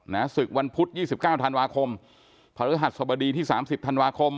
ศึกวันพุธยี่สิบเก้าธันวาคมพระฤหัสสบดีที่สามสิบธันวาคม